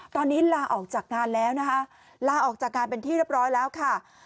ตอนนี้ลาออกจากงานแล้วนะคะลาออกจากงานเป็นที่เรียบร้อยแล้วค่ะ